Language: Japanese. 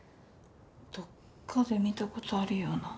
どっかで見た事あるような。